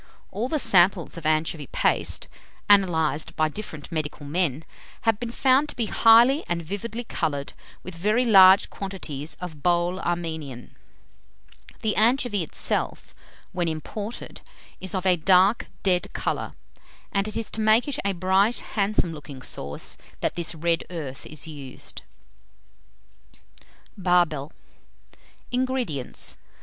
All the samples of anchovy paste, analyzed by different medical men, have been found to be highly and vividly coloured with very large quantities of bole Armenian." The anchovy itself, when imported, is of a dark dead colour, and it is to make it a bright "handsome looking sauce" that this red earth is used. BARBEL. 229. INGREDIENTS.